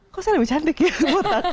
kok saya lebih cantik ya buta